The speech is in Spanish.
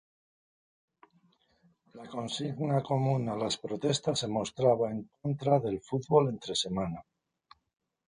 La consigna común a las protestas se mostraba en contra del "fútbol entre semana".